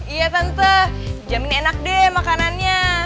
iya tante jamin enak deh makanannya